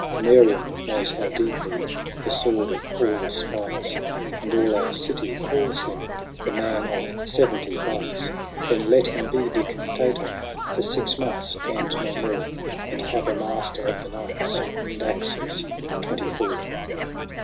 Camerium knows how deeply The sword of Aulus bites ; And all our city calls him The man of seventy fights. Then let him be Dictator For six months and no more. And have a Master of the Knights, And axes twenty four."